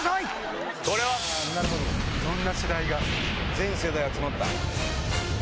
全世代集まった。